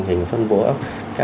và các dự đoạn dân cư